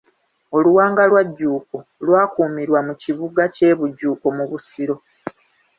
Oluwanga lwa Jjuuko lwakuumirwa mu kibuga kye Bujuuko mu Busiro.